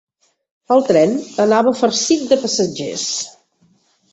El tren anava farcit de passatgers.